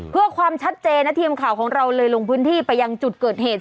เพื่อความชัดเจนนะทีมข่าวของเราเลยลงพื้นที่ไปยังจุดเกิดเหตุ